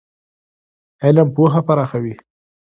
علم پوهه پراخوي.